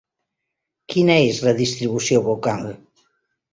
Quina és la distribució vocal?